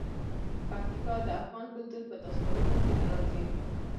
پکتیکا د افغان کلتور په داستانونو کې راځي.